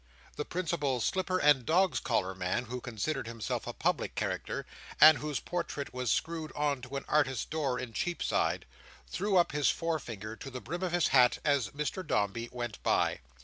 The principal slipper and dogs' collar man—who considered himself a public character, and whose portrait was screwed on to an artist's door in Cheapside—threw up his forefinger to the brim of his hat as Mr Dombey went by.